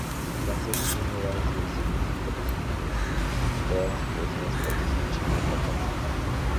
La serie tiene varias versiones internacionales, todas producidas por Disney Channel localmente.